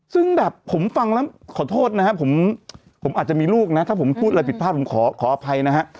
ซึ่งแบบผมฟังแล้วขอโทษนะฮะผมอาจจะมีลูกนะถ้าผมพูดอะไรผิดพลาดผมขออภัยนะฮะ